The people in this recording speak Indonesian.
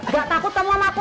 enggak takut kamu sama aku